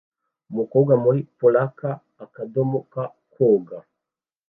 Umukobwa muri polka akadomo ka koga